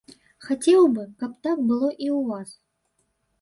Хацеў бы, каб так было і ў вас.